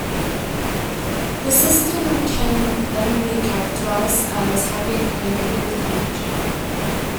The system can then be characterised as having a negative temperature.